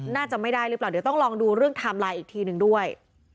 น่าจะไม่ได้หรือเปล่าเดี๋ยวต้องลองดูเรื่องไทม์ไลน์อีกทีหนึ่งด้วย